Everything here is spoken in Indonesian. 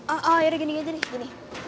eh ah ya udah gini gini